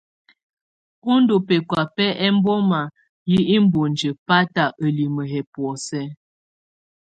U ndù̀ bɛkɔ̀á bɛ ɛmboma yɛ iboŋdiǝ bata ǝlimǝ yɛ bɔ̀ósɛ.